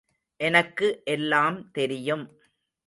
எனக்கு எல்லாம், தெரியும்.